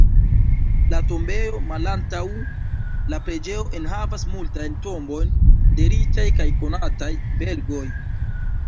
La tombejo malantaŭ la preĝejo enhavas multajn tombojn de riĉaj kaj konataj belgoj.